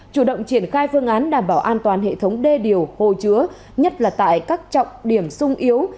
chủ động triển khai phương án đảm bảo an toàn hệ thống đê điều hồ chứa nhất là tại các trọng điểm sung yếu